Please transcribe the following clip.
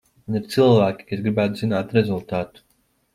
Un ir cilvēki, kas gribētu zināt rezultātu.